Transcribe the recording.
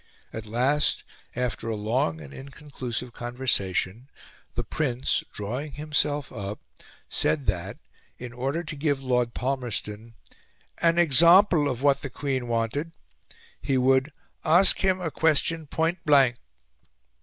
At last, after a long and inconclusive conversation, the Prince, drawing himself up, said that, in order to give Lord Palmerston "an example of what the Queen wanted," he would "ask him a question point blank."